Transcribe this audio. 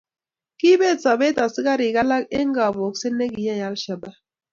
kiobet sobeet askarrik alak eng kabokset ni kyay al-shabaab